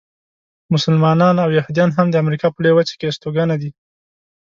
مسلمانان او یهودیان هم د امریکا په لویه وچه کې استوګنه دي.